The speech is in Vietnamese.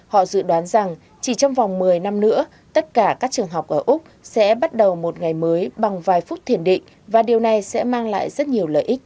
họ dự đoán rằng chỉ trong vòng một mươi năm nữa tất cả các trường học ở úc sẽ bắt đầu một ngày mới bằng vài phút thiền định và điều này sẽ mang lại rất nhiều lợi ích